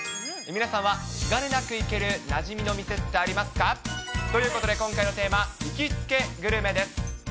皆さんは気兼ねなく行けるなじみの店ってありますか？ということで今回のテーマ、行きつけグルメです。